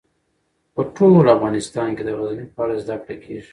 په ټول افغانستان کې د غزني په اړه زده کړه کېږي.